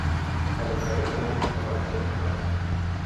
Але краіны могуць даваць свой адказ.